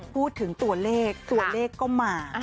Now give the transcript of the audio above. พูดถึงตัวเลขตัวเลขก็มา